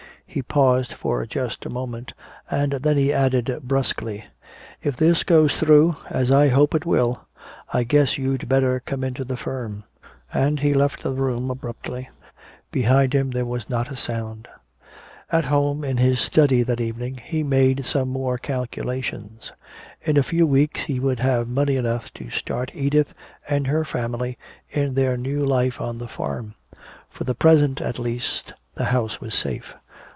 He paused for just a moment, and then he added brusquely, "If this goes through as I hope it will, I guess you'd better come into the firm." And he left the room abruptly. Behind him there was not a sound. At home in his study, that evening, he made some more calculations. In a few weeks he would have money enough to start Edith and her family in their new life on the farm. For the present at least, the house was safe.